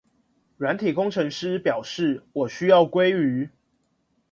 軟體工程師表示我需要鮭魚